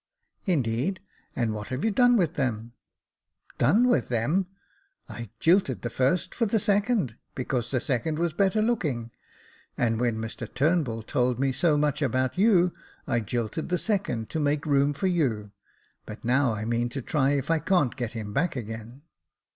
" Indeed ! and what have you done with them ?" "Done with them! I jilted the first for the second, because the second was better looking ; and when Mr Turnbull told me so much about you, I jilted the second to make room for you j but now, I mean to try if I can't get him back again."